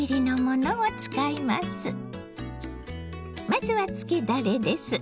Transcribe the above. まずはつけだれです。